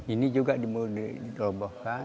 ini juga mau dirobohkan